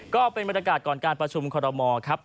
ก็เป็นบรรยากาศก่อนการประชุมคอรมอลครับ